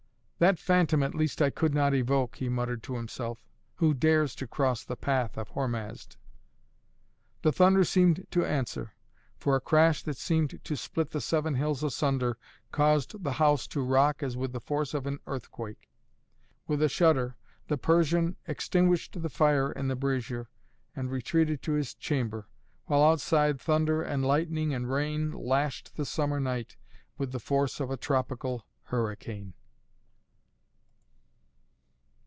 "That phantom at least I could not evoke!" he muttered to himself. "Who dares to cross the path of Hormazd?" The thunder seemed to answer, for a crash that seemed to split the seven hills asunder caused the house to rock as with the force of an earthquake. With a shudder the Persian extinguished the fire in the brazier and retreated to his chamber, while outside thunder and lightning and rain lashed the summer night with the force of a tropical hurricane.